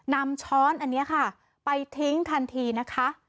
ช้อนอันนี้ค่ะไปทิ้งทันทีนะคะ